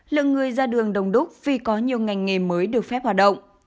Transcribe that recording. lượng người ra đường đồng đúc vì có nhiều ngành nghề mới được phép hoạt động